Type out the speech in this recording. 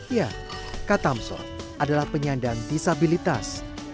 ya katamson adalah penyandang disabilitas